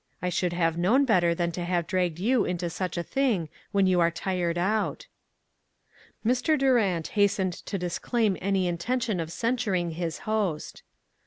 I should have known better than to have dragged you into such a thing when you are tired out." Mr. Durant hastened to disclaim any in tention of censuring his host.